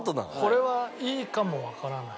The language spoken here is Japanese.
これはいいかもわからないな。